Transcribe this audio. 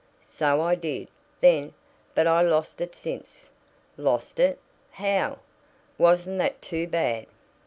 "So I did then, but I lost it since." "Lost it? How? Wasn't that too bad!"